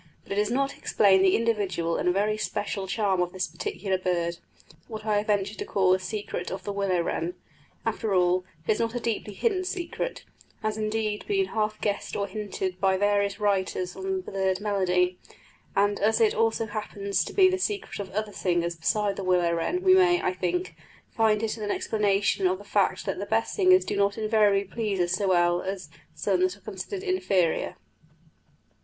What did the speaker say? But it does not explain the individual and very special charm of this particular bird what I have ventured to call the secret of the willow wren. After all, it is not a deeply hidden secret, and has indeed been half guessed or hinted by various writers on bird melody; and as it also happens to be the secret of other singers besides the willow wren, we may, I think, find in it an explanation of the fact that the best singers do not invariably please us so well as some that are considered inferior.